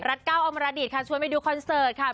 เก้าอมรดิตค่ะชวนไปดูคอนเสิร์ตค่ะ